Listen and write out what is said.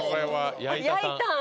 やいたん！